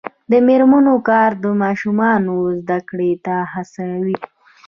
د میرمنو کار د ماشومانو زدکړې ته هڅوي.